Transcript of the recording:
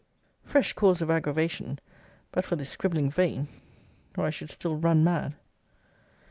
Fresh cause of aggravation! But for this scribbling vein, or I should still run mad.